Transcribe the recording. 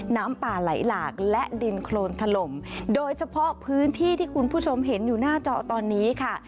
น้ำป่าไหลหลากและดินโครนถล่มโดยเฉพาะพื้นที่ที่คุณผู้ชมเห็นอยู่หน้าจอตอนนี้ค่ะ